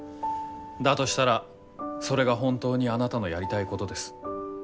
だとしたらそれが本当にあなたのやりたいことです。